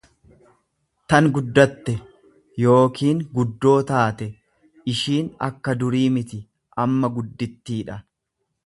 tan guddatte yookiin guddoo taate; Ishiin akka durii miti amma guddittiidha.